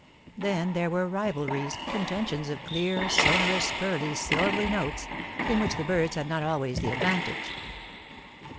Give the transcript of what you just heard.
Then there were rivalries, contentions of clear, sonorous, pearly, silvery notes, in which the birds had not always the advantage.